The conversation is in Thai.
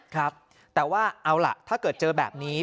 ครับแต่ว่าเอาล่ะถ้าเกิดเจอแบบนี้